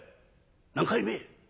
「何回目？」。